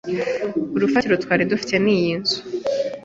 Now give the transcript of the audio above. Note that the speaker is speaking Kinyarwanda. urufatiro twari dufite ni iyo nzu